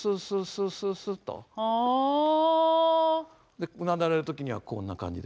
でうなだれる時にはこんな感じで。